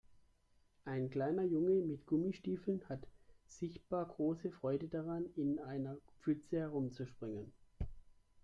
Ein kleiner Junge mit Gummistiefeln hatte sichtbar große Freude daran, in einer Pfütze herumzuspringen.